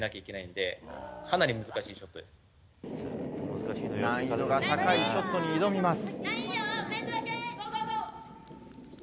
難易度が高いショットに挑みます。